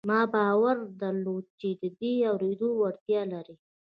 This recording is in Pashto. ما باور درلود چې دی د اورېدو وړتیا لري